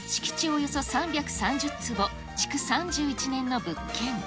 およそ３３０坪、築３１年の物件。